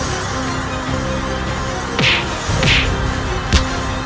kau bisa meminjam terus ini baik